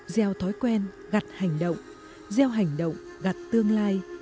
gieo thói quen gặt hành động gieo hành động gặt tương lai